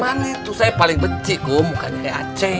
paman itu saya paling benci kum mukanya kayak aceng